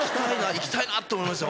行きたいなと思いました。